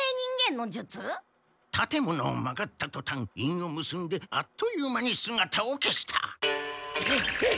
たてものを曲がったとたん印をむすんであっという間にすがたを消した。